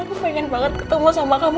aku pengen banget ketemu sama kamu